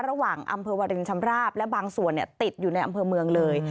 ระหว่างอำเภอวารินชำราบและบางส่วนติดอยู่ในอำเภอเมืองเลย